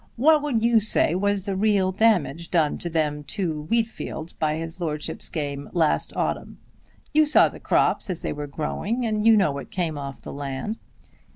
What would you say was the real damage done to them two wheat fields by his lordship's game last autumn? You saw the crops as they were growing, and you know what came off the land."